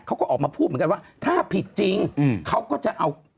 เขาก็ออกมาพูดเหมือนกันว่าถ้าผิดจริงเขาก็จะเอา